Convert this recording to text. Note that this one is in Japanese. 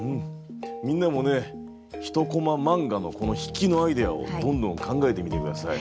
みんなもね１コマ漫画のこの引きのアイデアをどんどん考えてみて下さい。